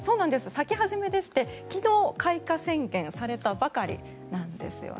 咲き始めでして昨日、開花宣言されたばかりなんですよね。